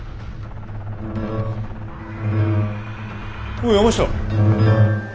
おお山下。